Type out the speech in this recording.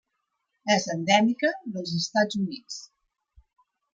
És endèmica dels Estats Units.